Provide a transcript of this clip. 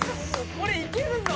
これいけるぞ。